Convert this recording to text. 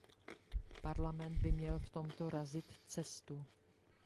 Parlament by měl v tomto razit cestu.